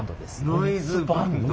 ノイズバンド？